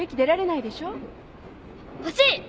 欲しい！